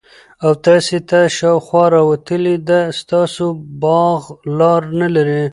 او تاسي ته دشاخوا راوتلي ده ستاسو باغ لار نلري